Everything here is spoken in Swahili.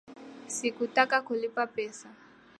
Sikutaka kulipa pesa